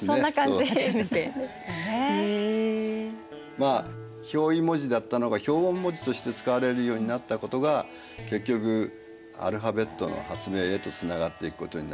まあ表意文字だったのが表音文字として使われるようになったことが結局アルファベットの発明へとつながっていくことになるわけですね。